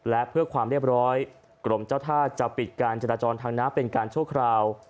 และเพื่อความเรียบร้อยกรมเจ้าท่าจะปิดการจราจรทางน้ำเป็นการชั่วคราว